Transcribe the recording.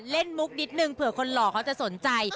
มุกนิดนึงเผื่อคนหล่อเขาจะสนใจ